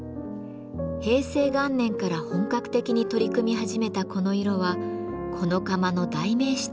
平成元年から本格的に取り組み始めたこの色はこの窯の代名詞となります。